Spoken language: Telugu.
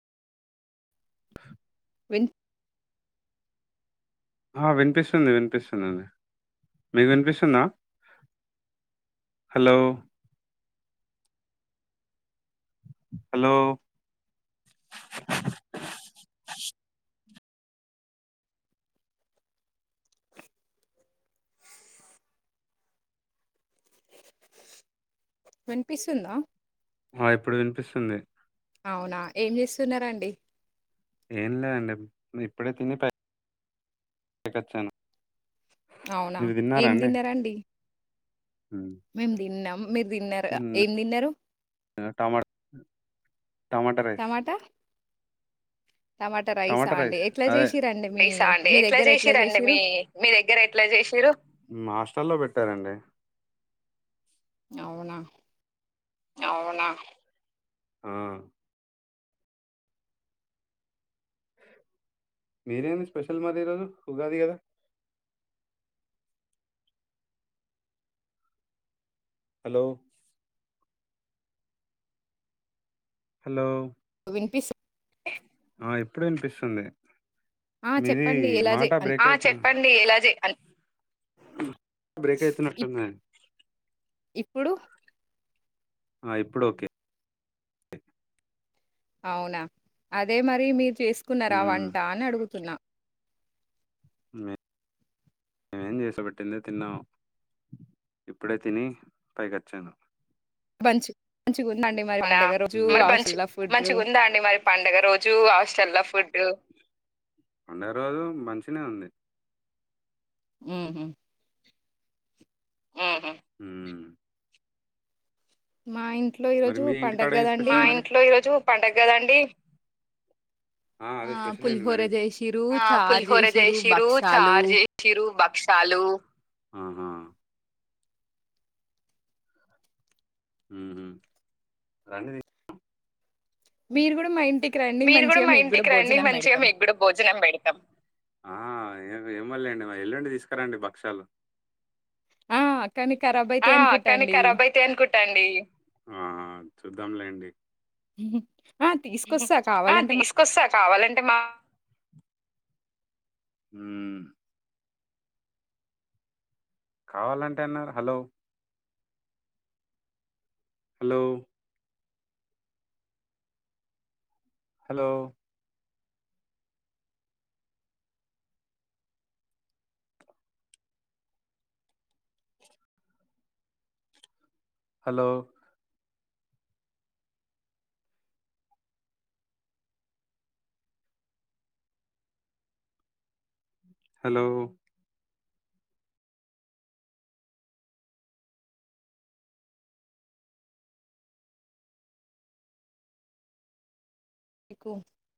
విన్ ఆ విన్పిస్తుంది విన్పిస్తుందండి మీక్ విన్పిస్తుందా హలో! హలో! విన్పిస్తుందా? ఆ ఇప్పుడు విన్పిస్తుంది. అవునా ఏం చేస్తున్నరండి. ఏం లేదండి ఇప్పుడే తిని బైటిక్ అచ్చాను. అవునా ఏం తిన్నరండి హ్మ్. మేమ్ తిన్నం. మీర్ తిన్నర్గ హ్మ్. ఏం తిన్నరు? టమాట రైస్ టమాటా రైసా టమాట అండి రైస్ ఎట్లా అదే చేసిరండి మీ మీ దగ్గర ఎట్లా చేసిరు మా హాస్టల్లో పెట్టారండి. అవునా ఆ మీరేంది స్పెషల్ మరి ఈ రోజు ఉగాది కదా హలో! హలో! విన్పిస్ ఇప్పుడే ఇన్పిస్తుంది ఆ మీది చెప్పండి ఎలా చే మాట అన్ బ్రేక్ అయితుం బ్రేక్ ఇప్ అయితున్నట్టుంది ఇప్పుడు ఆ ఇప్పుడ్ ఓకే అవునా అదే మరి మీర్ చేస్కున్నారా హ్మ్. వంట అన్ అడుగుతున్నా మే మేమేం చేసబట్టిందే తిన్నాము. ఇప్పుడే తిని పైకచ్చాను. బంచి అవునా మరి మంచి ఫుడ్ మంచిగుందా అండి మరి పండగ రోజు హాస్టల్ల ఫుడ్ పండగ రోజు మంచిగనే ఉంది. మ్ హ్ ఉహు ఊ మా ఇన్ మరి మీ ఇంటికాడ ఏం స్పెషల్ మరి ఆ అదే స్పెషల్ ఏంది పులిహోర మరి జేసిర్రు, చారు జేసిర్రు, భక్షాలు. సాలు ఆహా ఉహు రండి [unintelligible] మీరు గుడ మా ఇంటిక్ మీరు గుడ మా ఇంటికి రండి మంచిగ మీకు గుడ భోజనం బేడ్తం ఆ ఏమ్ ఏమోలేండి మరి ఎల్లుండి తీసుకురండి బక్షలు ఆ! కానీ ఖరాబ్ ఆ అయితాయనుకుంటా కని అండి. కరాబ్ అయితయనుకుంటండి ఆ చుద్దాంలేండి ఆ! తీసుకొస్తా ఆ కావాలంటే మా తిసుకొస్త కావాలం టేమా ఊ కావాలంటే అన్నర్ hello hello hello hello hello ఎకు